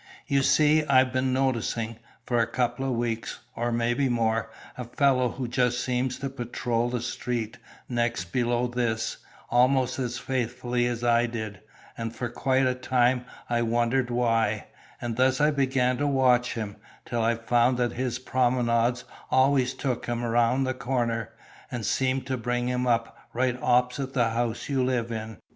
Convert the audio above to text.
"You see, I've been noticing, for a couple of weeks, or maybe more, a fellow who just seemed to patrol the street next below this, almost as faithfully as I did, and for quite a time I wondered why; and thus I began to watch him, till I found that his promenades always took him round the corner, and seemed to bring him up right opposite the house you live in.